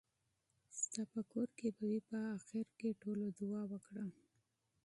ستاپه کور کې به وي. په اخېر کې ټولو دعا وکړه .